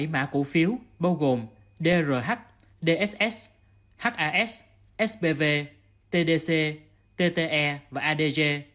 bảy mã cụ phiếu bao gồm drh dss has spv tdc tte và adg